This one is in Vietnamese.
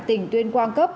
tỉnh tuyên quang cấp